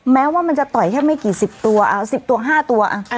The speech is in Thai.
แม้ว่ามันจะต่อยแค่ไม่กี่สิบตัว๑๐ตัว๕ตัว